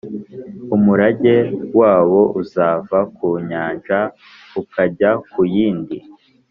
umurage wabo uzava ku nyanja ukajya ku yindi,